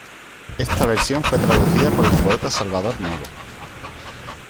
Esta versión fue traducida por el poeta Salvador Novo.